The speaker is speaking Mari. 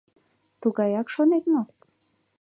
Тугаяк, шонет мо?